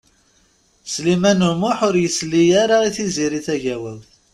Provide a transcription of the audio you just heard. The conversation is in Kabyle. Sliman U Muḥ ur yesli ara i Tiziri Tagawawt.